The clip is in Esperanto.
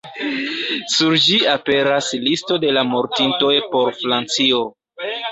Sur ĝi aperas listo de la mortintoj por Francio.